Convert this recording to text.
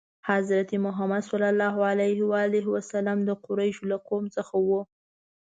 حضرت محمد ﷺ د قریشو له قوم څخه و.